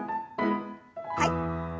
はい。